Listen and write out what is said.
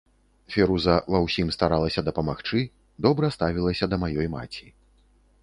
Фіруза ва ўсім старалася дапамагчы, добра ставілася да маёй маці.